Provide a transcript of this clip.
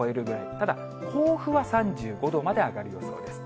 ただ、甲府は３５度まで上がる予想です。